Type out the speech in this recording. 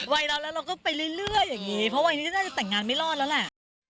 วัยเราแล้วเราก็ไปเรื่อยอย่างนี้เพราะวัยนี้น่าจะแต่งงานไม่รอดแล้วแหละ